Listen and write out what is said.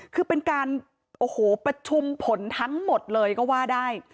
คือเป็นการโอ้โหประชุมผลทั้งหมดเลยก็ว่าได้